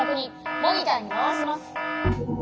モニターにまわします。